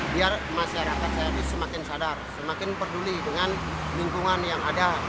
biar masyarakat jadi semakin sadar semakin peduli dengan lingkungan yang ada